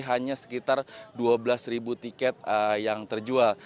hanya sekitar dua belas ribu tiket yang terjual